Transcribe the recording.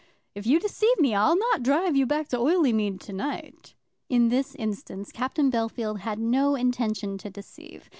If you deceive me, I'll not drive you back to Oileymead to night." In this instance Captain Bellfield had no intention to deceive.